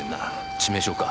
致命傷か？